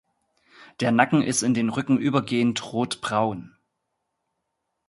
Der Nacken ist in den Rücken übergehend rotbraun.